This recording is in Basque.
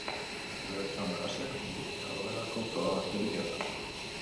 Unibertsoan galaxiak milioika daudelako froga besterik ez da.